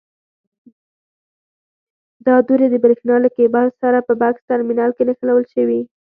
دا دورې د برېښنا له کېبل سره په بکس ټرمینل کې نښلول شوي.